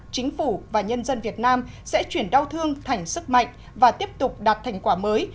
chính phủ và nhân dân việt nam sẽ chuyển đau thương thành sức mạnh và tiếp tục đạt thành quả mới